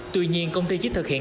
tuy nhiên công ty chỉ thực hiện